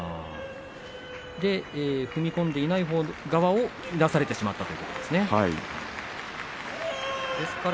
踏み込んでいない側を出されてしまったということですか。